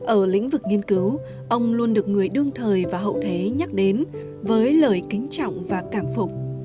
ở lĩnh vực nghiên cứu ông luôn được người đương thời và hậu thế nhắc đến với lời kính trọng và cảm phục